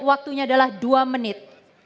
waktunya adalah dua menit